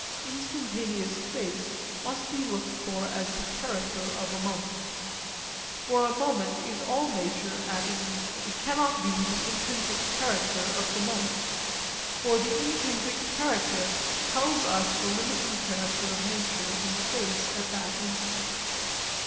Instantaneous space must be looked for as a character of a moment. For a moment is all nature at an instant. It cannot be the intrinsic character of the moment. For the intrinsic character tells us the limiting character of nature in space at that instant.